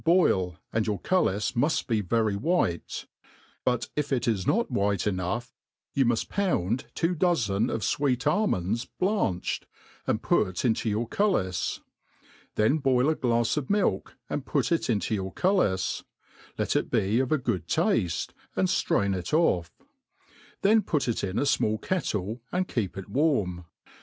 pi1, and your .cuUi3 muft be veryH^bite ; but if it i«d(iot wbifed enough, you rnqft potMid two dozen of fwaet altnondS'Maiieh* <d, and put into your cuUis : then boil a glafs of mi^, and put it into your cullis : let it be of a good^tafle, and {drain it eiF; then put it in a.faiall kettle, and Jkeep it warm.